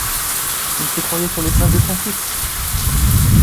Il se croyait sur les traces de son fils!